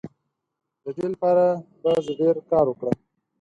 د دې لپاره به زه ډیر کار وکړم.